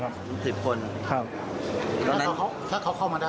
๑๐คนครับถ้าเขาเข้ามาได้จริงไหมครับ